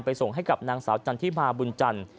ส่งให้กับนางสาวจันทิมาบุญจันทร์